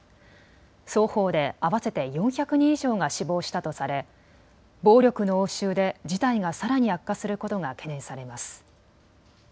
双方で合わせて４００人以上が死亡したとされ暴力の応酬で事態がさらに悪化することが懸念されます。